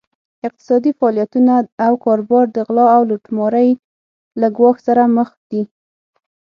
اقتصادي فعالیتونه او کاروبار د غلا او لوټمارۍ له ګواښ سره مخ دي.